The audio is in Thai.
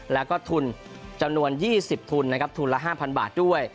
แล้วก็ทุนจำนวนยี่สิบทุนนะครับทุนละห้าพันบาทด้วย